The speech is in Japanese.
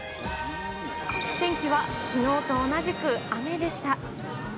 天気は、きのうと同じく雨でした。